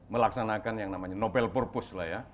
melaksanakan yang namanya nobel purpose lah ya